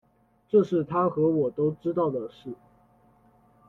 这是他跟我都知道的事